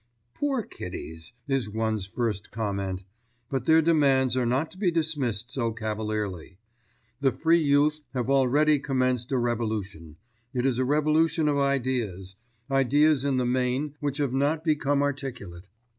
"Poor kiddies!" is one's first comment. But their demands are not to be dismissed so cavalierly. The Free Youth have already commenced a revolution—it is a revolution of ideas—ideas in the main which have not become articulate.